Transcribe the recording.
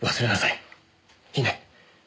いいね？